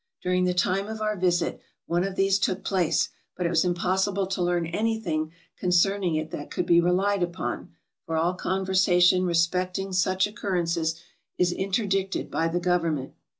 During the time of our visit one of these took place, but it was impossible to learn any thing concerning it that could be relied upon, for all con MISCELLANEOUS 407 versation respecting such occurrences is interdicted by the government.